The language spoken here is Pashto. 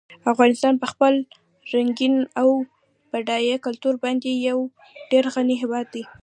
افغانستان په خپل رنګین او بډایه کلتور باندې یو ډېر غني هېواد دی.